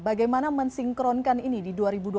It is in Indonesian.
bagaimana mensinkronkan ini di dua ribu dua puluh